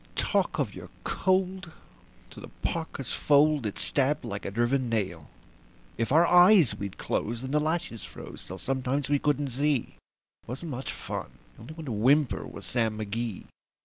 Talk of your cold! through the parka's fold it stabbed like a driven nail. If our eyes we'd close, then the lashes froze till sometimes we couldn't see; It wasn't much fun, but the only one to whimper was Sam McGee.